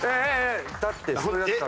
だってそれだったら。